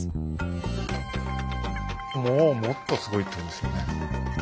もうもっとすごいってことですよね。